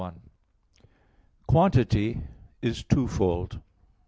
1: Quantity is twofold.